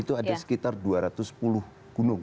itu ada sekitar dua ratus sepuluh gunung